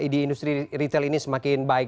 di industri retail ini semakin baik